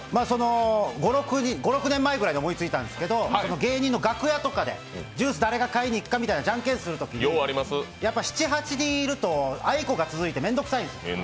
５６年前ぐらいに思いついたんですけど、芸人の楽屋とかでジュース誰が買いに行くかみたいなジャンケンするときに、７８人いると、あいこが続いてめんどくさいんです。